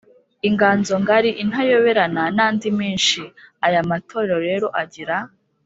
inganzo ngari, intayoberana n’andi menshi aya matorero rero agira